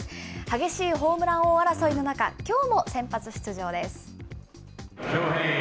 激しいホームラン王争いの中、きょうも先発出場です。